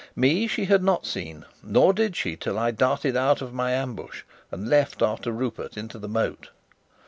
Me she had not seen, nor did she till I darted out of my ambush, and leapt after Rupert into the moat.